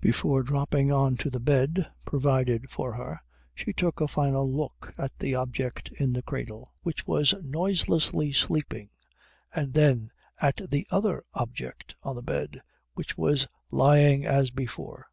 Before dropping on to the bed provided for her she took a final look at the object in the cradle, which was noiselessly sleeping, and then at the other object on the bed, which was lying as before.